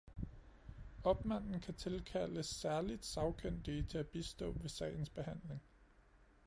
Opmanden kan tilkalde særligt sagkyndige til at bistå ved sagens behandling